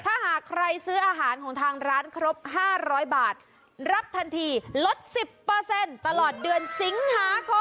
ถ้าหากใครซื้ออาหารของทางร้านครบ๕๐๐บาทรับทันทีลด๑๐ตลอดเดือนสิงหาคม